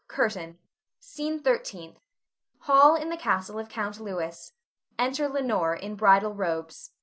CURTAIN. SCENE THIRTEENTH. [Hall in the castle of Count Louis. Enter Leonore, in bridal robes.